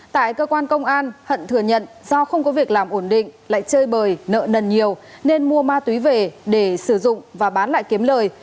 tại cơ quan công an hận thừa nhận do không có việc làm ổn định lại chơi bời nợ nần nhiều nên mua ma túy về để sử dụng và bán lại kiếm lời